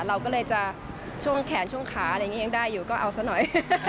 เราก็เลยจะช่วงแขนช่วงขายังได้อยู่ก็เอาสักหน่อย